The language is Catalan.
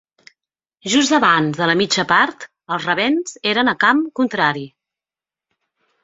Just abans de la mitja part, els Ravens eren a camp contrari.